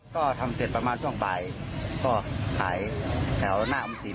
ก็ทำเสร็จประมาณช่วงบ่ายก็ขายแถวหน้าออมสิน